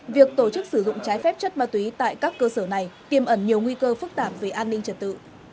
việc tổ chức sử dụng trái phép chất ma túy tại các cơ sở này tiêm ẩn nhiều nguy cơ phức tạp về an ninh trật tự